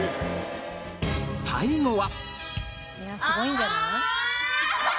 最後は。